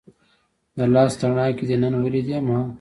د لاس تڼاکې دې نن ولیدې ما